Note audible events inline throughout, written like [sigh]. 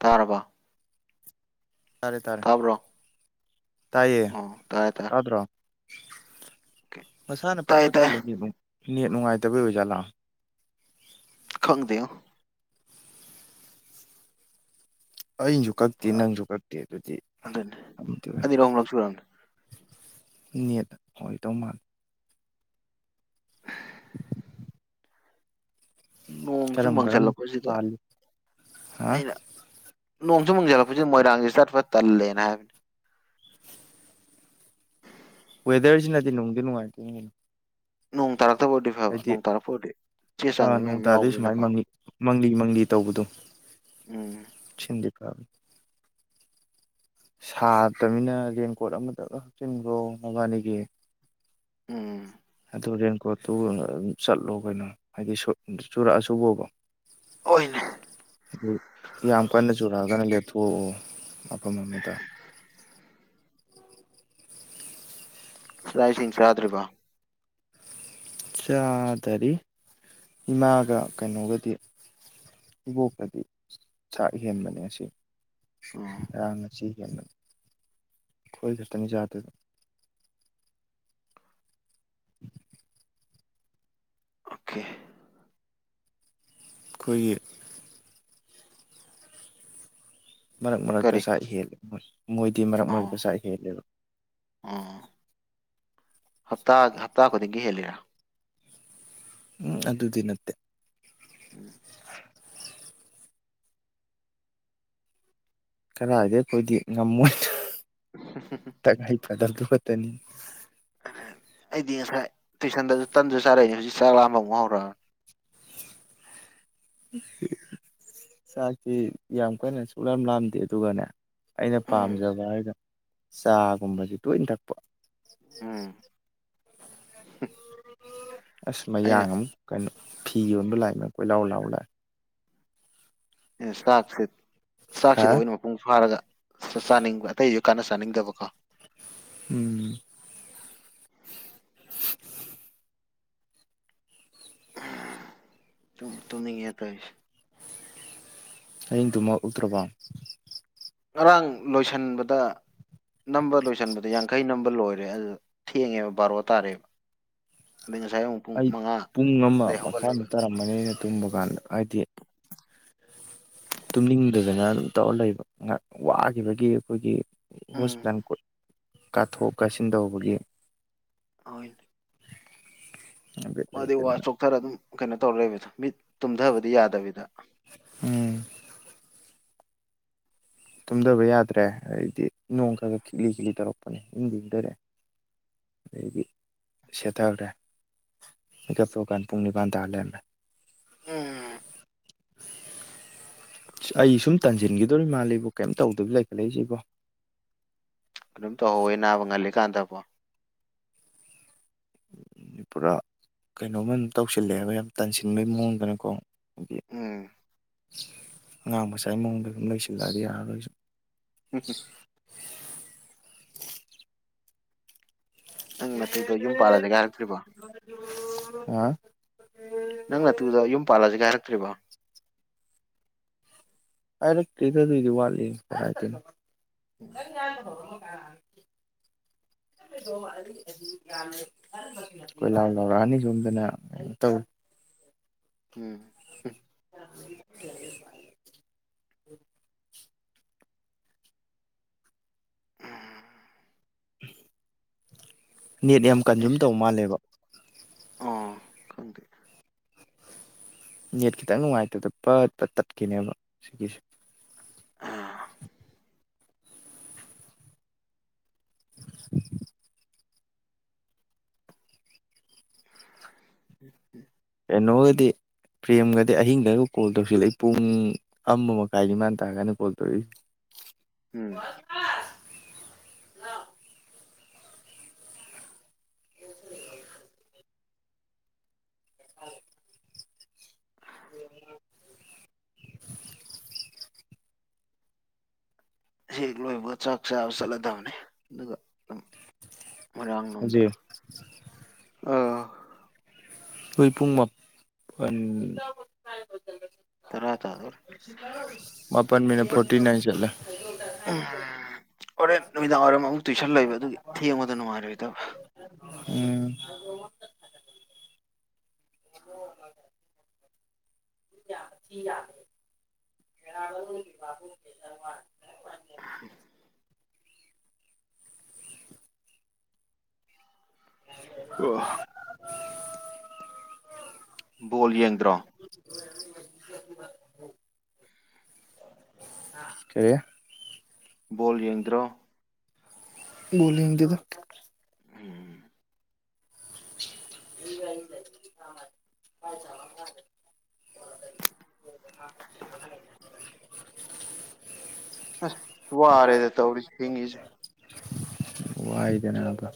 ꯇꯥꯔꯔꯕ ꯇꯔꯦ ꯇꯔꯦ ꯇꯥꯏꯌꯦ ꯑꯣ ꯇꯥꯔꯦ ꯇꯥꯔꯦ ꯆ꯭ꯔꯣ ꯑꯣꯀꯦ ꯃꯁꯥꯅ ꯇꯥꯏ ꯄꯠꯄ ꯇꯥꯏ ꯇꯠꯂꯤ ꯅꯦꯠ ꯅꯨꯡꯉꯥꯏꯇꯕꯒꯤ ꯑꯣꯖꯥꯠꯂꯥꯑꯣ ꯈꯪꯗꯌꯣ ꯑꯩꯩꯅꯁꯨ ꯀꯛꯇꯦ ꯅꯪꯁꯨ ꯀꯛꯇꯦ ꯑꯗꯨꯗꯤꯗꯤ ꯑꯗꯨꯅꯤ ꯑꯣꯏ ꯑꯅꯤꯔꯛ ꯑꯍꯨꯝꯂꯛ ꯁꯨꯔꯝꯅꯤ ꯃꯤ ꯍꯣꯏ ꯇꯣ ꯃꯥꯜ [inaudible] ꯅꯣꯡꯁꯨ ꯀꯔꯝ ꯀꯔꯝ ꯃꯪꯁꯤꯜꯂꯛꯄꯁꯤꯗ ꯄꯥꯜꯂꯤ ꯍꯥ ꯑꯩꯅ ꯅꯣꯡꯁꯨ ꯃꯨꯁꯤꯜꯂꯛꯄꯁꯤꯗ ꯃꯣꯏꯔꯥꯡꯁꯤ ꯆꯠꯄ ꯇꯜꯂꯦꯅ ꯍꯥꯏꯕꯅꯤ ꯋꯦꯗꯔꯁꯤꯅꯗꯤ ꯅꯨꯡꯗꯤ ꯅꯨꯡꯉꯥꯏꯇꯦꯅꯦ ꯅꯣꯡ ꯇꯥꯔꯛꯇꯕ ꯑꯣꯏꯔꯗꯤ ꯐꯕ ꯅꯣꯡ ꯇꯥꯔꯛꯄ ꯑꯣꯏꯔꯗꯤ ꯆꯦ ꯑ ꯆꯥꯡꯅꯤ ꯅꯣꯡ ꯃꯌꯥꯝ ꯇꯥꯗꯣꯏ ꯁꯨꯃꯥꯏꯅ ꯌꯥꯎꯕꯅꯤꯅꯀꯣ ꯃꯪꯂꯤ ꯃꯪꯂꯤ ꯃꯪꯂꯤ ꯇꯧꯕꯗꯨꯣ ꯎꯝ ꯑ ꯁꯥꯇꯅꯤꯅ ꯔꯦꯟꯀꯣꯠ ꯑꯃꯇ ꯍꯥꯞꯆꯤꯟꯈ꯭ꯔꯣ ꯃꯕꯥꯅꯤꯒꯤ ꯎꯝ ꯑꯗꯨ ꯔꯦꯟꯀꯣꯠꯇꯨ ꯆꯠꯂꯣ ꯀꯩꯅꯣ ꯍꯥꯏꯗꯤ ꯆꯨꯔꯛꯑꯁꯨꯕꯣꯕ ꯍꯣꯏꯅꯦ ꯑꯃ ꯀꯟꯅ ꯆꯨꯔ ꯑꯅ ꯂꯦꯊꯑꯣ ꯑꯄ ꯃꯃꯇ ꯁꯗꯥꯥꯏꯁꯤꯡ ꯆꯔꯥꯗ꯭ꯔꯤꯕ ꯆꯥꯗꯔꯤ ꯏꯃꯥꯒ ꯀꯩꯅꯣꯒꯗꯤ ꯏꯕꯣꯛꯇꯗꯤ ꯆꯥꯛ ꯍꯦꯟꯕꯅꯤ ꯑꯁꯤ ꯎꯝ ꯉꯔꯥꯡ ꯑꯁꯤ ꯀ ꯆꯠꯇꯔꯅꯤ ꯆꯗꯗ [inaudible] ꯑꯣꯀꯦ ꯑꯩꯈꯣꯏꯒꯤ ꯃꯔꯛ ꯃꯔꯛꯇ ꯀꯔꯤ ꯆꯥꯛ ꯍꯦꯜꯂꯦ ꯃꯣꯏꯗꯤ ꯃꯔꯛ ꯑꯣ ꯃꯔꯛꯇ ꯆꯥꯛ ꯍꯦꯜꯂꯦꯕ ꯑꯣ ꯍꯞꯇꯥ ꯍꯞꯇꯥ ꯈꯨꯗꯤꯡꯒꯤ ꯍꯦꯜꯂꯤꯔꯥ ꯎꯝ ꯑꯗꯨꯗꯤ ꯅꯠꯇꯦ ꯎꯝ ꯀꯔꯗꯤ ꯑꯩꯈꯣꯏꯗꯤ ꯉꯝꯃꯣꯏ [inaudible] ꯀꯗꯔꯗꯨ ꯈꯠꯇꯅꯤ ꯑꯩꯗꯤ ꯉꯁꯥꯏ ꯇꯨꯏꯁꯟꯗꯁꯨ ꯇꯟꯁꯨ ꯆꯥꯔꯛꯏꯅꯦ ꯍꯧꯖꯤꯛ ꯆꯥꯛ ꯂꯥꯛꯑꯝꯕ ꯑꯃꯨꯛ ꯍꯧꯔ ꯎ ꯆꯥꯛꯁꯤ ꯌꯥꯝ ꯀꯟꯅ ꯁꯨꯂꯝ ꯂꯥꯝꯗꯦ ꯑꯗꯨꯒꯅꯦ ꯑꯩꯅ ꯎꯝ ꯄꯥꯝꯖꯕ ꯍꯥꯏꯗ ꯆꯥꯒꯨꯝꯕꯁ ꯇꯣꯏꯅ ꯊꯛꯄ ꯎꯝ ꯎ ꯑꯁ ꯃꯌꯥꯡ ꯑꯃꯨꯛ ꯀꯩꯅꯣ ꯐꯤ ꯌꯣꯟꯕ ꯂꯥꯛꯏꯅ ꯀꯣꯏ ꯂꯥꯎ ꯂꯥꯎ ꯂꯥꯛꯑ ꯆꯥꯛꯁ ꯍꯥ ꯆꯥꯛꯁꯤꯗ ꯑꯣꯏꯅ ꯃꯄꯨꯡ ꯐꯥꯔꯒ ꯆꯥꯅꯤꯡꯕ ꯑꯇꯩꯁꯨ ꯀꯥꯟꯅ ꯁꯥꯅꯤꯡꯗꯕꯀꯣ ꯎꯝ ꯇꯅꯤ ꯌꯦ ꯇꯁ ꯑꯌꯦ ꯇꯨꯝꯃ ꯎꯛꯇ꯭ꯔꯔꯕ ꯉꯔꯥꯡ ꯂꯣꯏꯁꯤꯟꯕꯗ ꯅꯝꯕ ꯂꯣꯏꯁꯤꯟꯕꯗ ꯌꯥꯡꯈꯩ ꯅꯝꯕ ꯂꯣꯏꯔꯦ ꯑꯗꯨ ꯊꯦꯡꯉꯦꯕ ꯕꯥꯔꯣ ꯇꯥꯔꯦꯕ ꯑꯗꯩ ꯉꯁꯥꯏ ꯑꯃꯨꯛ ꯄꯨꯡ ꯑꯩ ꯃꯉꯥꯗꯩ ꯄꯨꯡ ꯑꯃ ꯍꯧꯒꯠꯂꯒ ꯃꯈꯥꯏꯃꯨꯛ ꯇꯥꯔꯝꯃꯅꯤ ꯑꯩꯅ ꯇꯨꯝꯕ ꯀꯥꯟꯗ ꯍꯥꯏꯗꯤ ꯇꯨꯝꯅꯤꯡꯗꯗꯅ ꯑꯗꯨꯝ ꯇꯧꯔ ꯂꯩꯕ ꯉ ꯋꯥꯈꯤꯕꯒꯤ ꯑꯩꯈꯣꯏꯒꯤ ꯎꯝ ꯍꯣꯁꯄꯤꯇꯥꯜ ꯀꯥꯊꯣꯛ ꯀꯥꯁꯤꯟ ꯇꯧꯕꯒꯤ ꯑꯣꯏ ꯕꯤꯠ ꯃꯥꯗꯤꯩ ꯋꯥ ꯂꯩꯇꯗꯅ ꯆꯣꯛꯊꯔ ꯑꯗꯨꯝ ꯀꯩꯅꯣ ꯇꯧꯔ ꯂꯩꯕꯗꯣ ꯃꯤꯠ ꯇꯨꯝꯊꯕꯗꯤ ꯌꯥꯗꯕꯤꯗ ꯎꯝ ꯇꯨꯝꯊꯕ ꯌꯥꯗ꯭ꯔꯦ ꯍꯥꯏꯗꯤ ꯅꯣꯡ ꯈꯒ ꯈꯤꯛꯂꯤ ꯈꯤꯛꯂꯤ ꯇꯧꯔꯛꯄꯅꯦ ꯌꯨꯝꯗꯤꯗꯔꯑꯦ ꯑꯗꯒꯤ ꯁꯦꯊꯔꯦ ꯏ ꯊꯣꯛ ꯀꯥꯟ ꯄꯨꯡꯅꯤꯄꯥꯥꯟ ꯇꯥꯂꯦꯃꯦ ꯎꯝ ꯑꯩ ꯁꯨꯝ ꯇꯟꯁꯤꯟꯒꯗꯣ ꯃꯥꯜꯂꯤꯕꯣ ꯀꯩꯝꯇ ꯇꯧꯗꯕ ꯂꯩꯈꯠꯂꯛꯏꯁꯤꯕꯣ ꯑꯗꯨꯝ ꯇꯧꯍꯧꯋꯦ ꯅꯥꯕ ꯉꯜꯂꯤ ꯀꯥꯟꯗꯕꯣ ꯄꯨꯔꯥ ꯀꯩꯅꯣꯝꯃ ꯑꯗꯨꯝ ꯇꯧꯁꯤꯜꯂꯛꯑꯦꯕ ꯌꯥꯝ ꯇꯥꯟꯁꯤꯟꯕꯒꯤ ꯃꯑꯣꯡꯗꯅꯀꯣ ꯍꯥꯏꯗꯤ ꯎꯝ ꯑꯉꯥꯡ ꯃꯁꯥꯏꯒꯤ ꯃꯑꯣꯡꯗ ꯑꯗꯨꯝ ꯂꯩꯣꯏꯁꯤꯜꯂꯛꯑꯗꯤ ꯌꯥꯔꯔꯣꯏꯁꯨ ꯍꯝ ꯍꯝ ꯅꯪ ꯅꯨꯗꯣ ꯌꯨꯝ ꯄꯥꯜꯂꯗ ꯀꯥꯏꯔꯛꯇ꯭ꯔꯤꯕꯣ ꯑ [unintelligible] [inaudible] ꯀ꯭ꯔꯤꯚꯥ ꯑꯩꯅ ꯀꯗ ꯑꯗꯨꯗꯤ ꯋꯥꯠꯅ ꯎꯝ [unintelligible] [inaudible] ꯣꯏ ꯂꯥꯎ ꯂꯥꯎꯔꯑꯅꯤ ꯁꯣꯝꯗꯅ ꯇꯧ ꯎꯝ [unintelligible] [inaudible] ꯅꯦꯠ ꯌꯥꯝ ꯀꯟꯖꯨꯝ ꯇꯧ ꯃꯥꯜꯂꯦꯕ ꯑꯥ ꯈꯗ ꯅꯦꯠ ꯈꯤꯇꯪ ꯅꯨꯡꯉꯥꯏꯇꯗ ꯄꯠꯄ ꯇꯠꯈꯤꯅꯦꯕ ꯁꯤꯒꯤꯁꯦ ꯑ [unintelligible] [inaudible] [unintelligible] [inaudible] ꯎꯝ ꯎꯝ [unintelligible] [inaudible] ꯩꯅꯣꯗꯤ ꯄ꯭ꯔꯦꯝꯒꯗꯤ ꯑꯍꯤꯡꯗ ꯀꯣꯜ ꯇꯧꯁꯤꯜꯂꯛꯏ ꯄꯨꯡ ꯑꯃ ꯃꯈꯥꯏꯅꯤ ꯃꯥꯟ ꯇꯥꯔꯒꯥꯟꯗ ꯀꯣꯜ ꯇꯧꯔꯛꯏꯁꯦ ꯎꯝ ꯍ [unintelligible] [inaudible] ꯍꯦꯛ ꯂꯣꯏꯕ ꯆꯥꯛ ꯆꯥꯕ ꯆꯠꯂꯗꯕꯅꯤ ꯑꯗꯨꯒ ꯑꯗꯨꯝ ꯖꯤ ꯑꯥ ꯑꯩꯈꯣꯏ ꯄꯨꯡ ꯃꯥꯄ ꯇꯔ ꯇꯗꯔ ꯃꯥꯄꯟ ꯃꯤꯅꯠ ꯐꯣꯔꯇꯤ ꯅꯥꯏꯟ ꯆꯠꯂꯦ ꯑ [unintelligible] [inaudible] ꯍꯣꯔꯦꯟ ꯅꯨꯃꯤꯗꯥꯡ ꯋꯥꯏꯔꯝ ꯑꯃꯨꯛ ꯇꯨꯏꯁꯜꯂꯛꯏꯕ ꯑꯗꯨꯒꯤ ꯊꯦꯡꯉꯗ ꯅꯨꯡꯉꯥꯏꯔꯣꯏꯗꯕ ꯎꯝ ꯌꯥ ꯦ ꯁꯔꯃ [unintelligible] [inaudible] ꯋꯥ [unintelligible] [inaudible] ꯕꯣꯜ ꯌꯦꯡꯗ꯭ꯔꯥ ꯑꯦ [unintelligible] [inaudible] ꯕꯣꯜ ꯌꯦꯡꯗ꯭ꯔꯣ ꯎꯅꯤꯡꯗꯦꯗ꯫ ꯎꯝ [unintelligible] [unintelligible] ꯑ ꯋꯥꯔꯦꯗ ꯇꯧꯔꯤꯁ ꯊꯦꯡꯒꯤꯁꯦ꯫ ꯋꯥꯏꯗ ꯅꯥꯕ꯫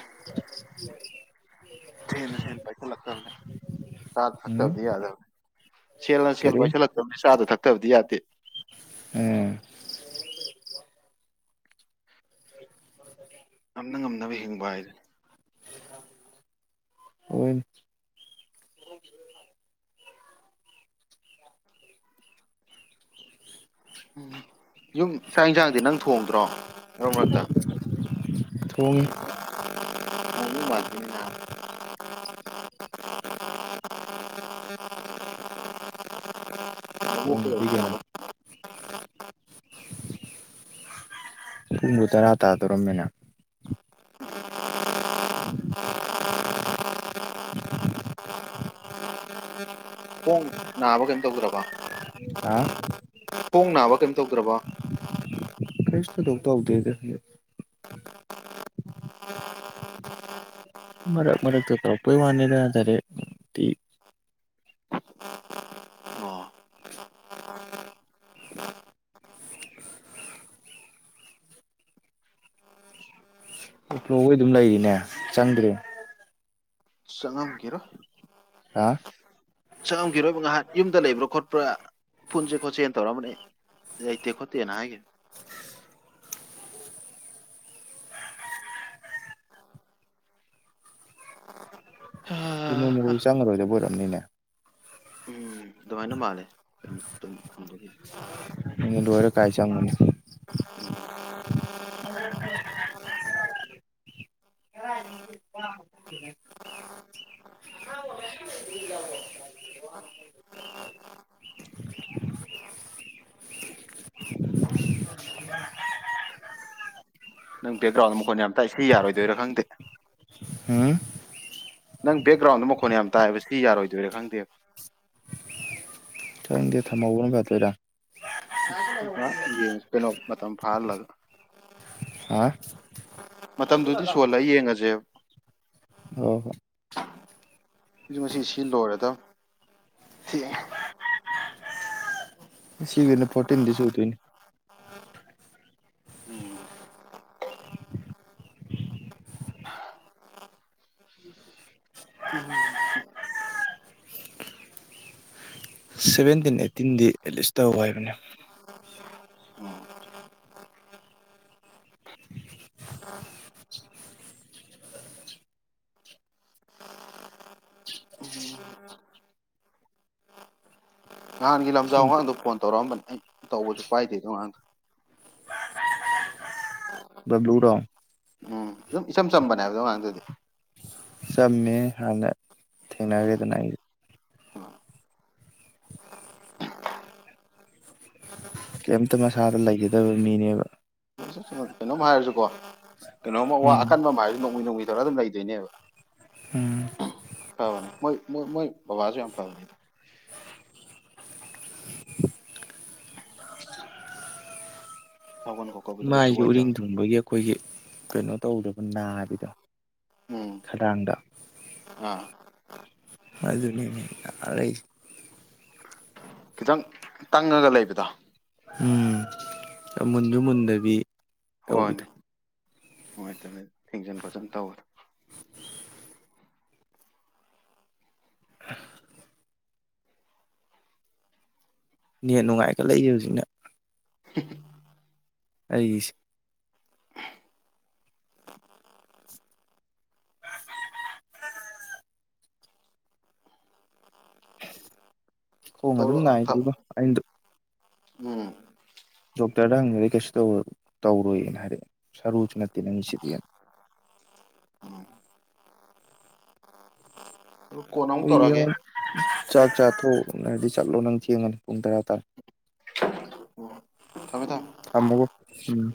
[unintelligible] ꯊꯦꯅ ꯍꯦꯅ ꯄꯩꯈꯜꯂꯛꯇꯕꯅꯤ꯫ ꯁꯥꯠ ꯎꯝ ꯐꯛꯇꯕꯗꯤ ꯌꯥꯗꯕꯅꯤ꯫ ꯁꯦꯜꯅ ꯁꯦꯜ ꯀꯔꯤ ꯄꯥꯏꯁꯜꯂꯛꯇꯕꯅꯤ ꯆꯥꯗ ꯊꯛꯇꯕꯗꯤ ꯌꯥꯗꯦ꯫ ꯎꯝ ꯉꯝꯅ ꯉꯝꯅꯕ ꯍꯤꯡꯕ ꯍꯥꯏꯗꯨꯅꯤ꯫ ꯍꫭꯏꯅꯦ꯫ ꯎꯝ ꯌꯨꯝ ꯆꯥꯛ ꯌꯦꯟꯁꯥꯡꯗꯤ ꯅꯪ ꯊꯣꯡꯗ꯭ꯔꯣ ꯃꯔꯛ ꯃꯔꯛꯇ꯫ ꯊꯣꯡꯉꯤ [unintelligible] ꯊꫭꯡꯗ꯭ꯔꯗꯤ ꯀꯩꯅꯣ꯫ ꯂꯣꯛꯇ [unintelligible] ꯄꯨꯡꯕꯨ ꯇꯔꯥ ꯇꯥ ꯗꫭꯔꯝꯃꯦꯅ꯫ [unintelligible] [unintelligible] ꯅꯥꯕꯨ ꯀꯩꯝ ꯇꯧꯗ꯭ꯔꯕꫭ꯫ ꯑꯥ ꯈꯣꯡ ꯅꯥꯕ ꯀꯩꯝ ꯇꯧꯗ꯭ꯔꯕ꯫ ꯀꯩꯁꯨ ꯊꯧꯗꯣꯛ ꯇꯧꯗꯦꯗ꯫ ꯃꯔꯛ ꯃꯔꯛꯇ ꯋꯥꯅꯤ ꯅꯠꯇ꯭ꯔꯗꯤ ꯏ ꯑꯣ ꯄ꯭ꯂꯣꯒꯩ ꯑꯗꯨꯝ ꯂꯩꯔꯤꯅꯦ ꯆꯪꯗ꯭ꯔꯤ꯫ ꯆꯪꯑꯝꯈꯤꯔꫭꯏ꯫ ꯍꯥ ꯆꯪꯉꯝꯈꯤꯔꯣꯏꯕ ꯉꯍꯥꯛ ꯌꯨꯝꯗ ꯂꯩꯕ꯭ꯔꯥ ꯈꯣꯠꯄ꯭ꯔꯥ ꯄꯨꯟꯁꯦ ꯈꯣꯠꯁꯦꯅ ꯇꯧꯔꯛꯝꯕꯅꯦ꯫ ꯥꯂꯩꯇꯦ ꯈꯣꯠꯇꯦꯅ ꯍꯥꯏꯈꯤꯕꯅꯤ꯫ ꯀꯨ ꯅꯨꯡꯃꯣꯏ ꯆꯪꯉꯔꯣꯏꯗꯕ ꯑꯣꯏꯔꯝꯅꯤꯅꯦ꯫ ꯎꯝ ꯑꯗꯨꯃꯥꯏꯅ ꯃꯥꯂꯦ꯫ [inaudible] ꯇꯥꯏ ꯆꯪꯕꯅꯤ꯫ [unintelligible] [unintelligible] [unintelligible] [unintelligible] [unintelligible] ꯅꯪ ꯕꯦꯛꯒ꯭ꯔꯥꯎꯟꯗ ꯃꯈꯣꯟꯅ ꯌꯥꯝ ꯇꯥꯏꯏ ꯁꯤ ꯌꯥꯔꯣꯏꯗꫭꯏꯔ ꯈꯪꯗꯦ꯫ ꯎꯝ ꯅꯪ ꯕꯦꯛꯒ꯭ꯔꯥꯎꯟꯗꫭ ꯃꯈꯣꯟ ꯌꯥꯝ ꯇꯥꯏꯑꯦꯕ ꯁꯤꯗꯤ ꯌꯥꯔꯣꯏꯗꯣꯏꯔꯥ ꯈꯪꯗꯦꯕ꯫ ꯈꯪꯗꯦ ꯊꯝꯍꯧꯕꯅ ꯐꯗꯣꯏꯔꯥ꯫ ꯉꯍꯥꯛ ꯌꯦꯡꯑꯁꯤ ꯀꯩꯅꯣ ꯃꯇꯝ ꯐꯥꯍꯜꯂꯒ꯫ ꯍꯥ ꯃꯇꯝꯗꯨꯗꯤ ꯁꯨꯍꯜꯂ ꯌꯦꯡꯉꯁꯦꯕ꯫ ꯑꯣ ꯍꯣ꯫ ꯑꯩꯖꯨ ꯉꯁꯤ ꯁꯤ ꯂꯣꯏꯔꯗꯕꯅꯦ꯫ ꯁꯦ ꯁꯤꯒꯅꯦ ꯐꫭꯔꯇꯤꯟꯗꯤ ꯁꯨꯗꫭꯏꯅꯦ꯫ ꯎꯝ ꯎꯝ ꯁꯚꯦꯟꯇꯤꯟ ꯑꯩꯠꯇꯤꯟꯗꯤ ꯑꯦꯠꯂꯤꯁ ꯇꯧ ꯍꯥꯏꯕꯅꯦ ꯎꯝ ꯎꯝ ꯅꯍꯥꯟꯒꯤ ꯂꯝꯖꯥꯎ ꯋꯥꯉꯥꯡꯗꯣ ꯐꯣꯟ ꯇꯧꯔꯛꯑꯝꯕꯅꯤ ꯑꯩ ꯇꯧꯕꯁꯨ ꯄꯥꯏꯗꯦꯗꯣ ꯑꯉꯥꯡꯗ ꯕ꯭ꯂꯨꯔꯣ ꯎꯝ ꯑꯗꯨꯝ ꯏꯆꯝ ꯆꯝꯕꯅꯦ ꯍꯥꯏꯕꯗꯣ ꯃꯉꯥꯟꯗꯨꯗꯤ ꯆꯃꯦ ꯍꯥꯟꯅ ꯊꯦꯡꯅꯈ꯭ꯔꯦꯗꯅ ꯑꯩꯁ ꯀꯩꯝꯇ ꯃꯁꯥꯗ ꯂꯩꯒꯗꯕ ꯃꯤꯅꯦꯕ ꯀꯩꯅꯣꯝ ꯍꯥꯏꯔꯁꯨ ꯀꯣ ꯀꯩꯅꯣꯝꯃ ꯋꯥ ꯎꯝ ꯑꯀꯟꯕ ꯑꯃ ꯍꯥꯏꯔꯁꯨ ꯅꯣꯡꯃ ꯅꯣꯡꯃ ꯊꯧꯔ ꯑꯗꯨꯝ ꯂꯩꯗꯣꯏꯅꯦꯕ ꯎꯝ ꯐꯔꯅꯦꯣꯏ ꯃꯣꯏ ꯕꯕꯥꯁꯨ ꯌꯥꯝ ꯐꯔ ꯁꯥꯎꯒꯟ ꯈꯣꯠꯀꯕꯗꯣ ꯀꯩꯁꯨ ꯃꯥꯏꯒꯤ ꯎꯔꯤꯡ ꯑꯣꯏꯗꯕꯅꯤ ꯊꯣꯡꯕꯒꯤ ꯑꯩꯈꯣꯏꯒꯤ ꯀꯩꯅꯣ ꯇꯧꯗꯕꯅ ꯍꯥꯏꯕꯗꯣ ꯎꯝ ꯈꯗꯥꯥꯡꯗ ꯑꯥ ꯑꯗꯨ ꯑꯗꯨꯅꯤ ꯑꯣꯏ ꯈꯤꯇꯪ ꯇꯪꯉꯒ ꯂꯩꯕꯗꯣ ꯎꯝ ꯃꯨꯟꯁꯨ ꯃꯨꯟꯗꯕꯤ ꯇꯧꯕꯤꯗꯣ ꯍꯣꯏꯅꯦ ꯐꯤꯖꯟ ꯈꯣꯖꯟ ꯇꯧꯋꯔꯦ [unintelligible] [inaudible] ꯅꯦ ꯅꯨꯡꯉꯥꯏꯒ ꯂꯩꯌꯦ ꯍꯧꯖꯤꯛꯅ ꯑꯩꯁ ꯈꯣꯡ ꯇꯧꯔꯣ ꯑꯗꯨꯝ ꯅꯥꯏꯗꯕ ꯑꯩꯅꯗꯣ ꯎꯝ ꯗꯣꯛꯇꯔꯗ ꯍꯪꯕꯗꯤꯦ ꯀꯩꯁꯨ ꯇꯧꯔꯣꯏꯅ ꯍꯥꯏꯔꯛꯑꯦ ꯁꯔꯨꯁꯨ ꯅꯠꯇꯦ ꯅꯪꯒꯤꯁꯤꯗꯤ ꯎꯝ ꯀꯣꯟꯅ ꯑꯃ ꯍꯣꯏ ꯇꯧꯔꯒꯦ ꯌꯦꯡꯉꯣ ꯆꯥꯛ ꯆꯥꯊꯣꯛꯅ ꯍꯥꯏꯔꯗꯤ ꯆꯠꯂꯣ ꯅꯪ ꯊꯦꯡꯉꯅꯤ ꯄꯨꯡ ꯇꯔꯥ ꯇꯔꯦ ꯊꯝꯃꯦ ꯊꯝꯃꯦ ꯊꯃꯕꯨꯣ ꯎꯝ